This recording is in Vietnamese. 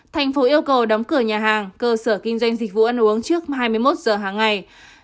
thành phố yêu cầu đóng cửa nhà hàng cơ sở kinh doanh dịch vụ ăn uống trước hai mươi một giờ hàng ngày